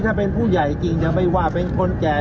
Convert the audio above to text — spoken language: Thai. ถ้าเป็นผู้ใหญ่จริงยังไม่ว่าเป็นคนแก่